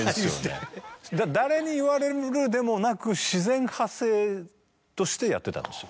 誰に言われるでもなく。としてやってたんですよ。